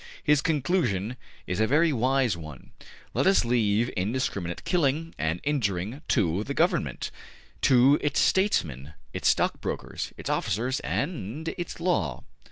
'' His conclusion is a very wise one: ``Let us leave indiscriminate killing and injuring to the Government to its Statesmen, its Stockbrokers, its Officers, and its Law.''